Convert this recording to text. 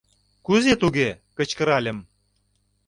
— Кузе туге? — кычкыральым.